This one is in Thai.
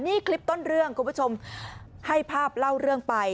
นี่คลิปต้นเรื่องคุณผู้ชมให้ภาพเล่าเรื่องไป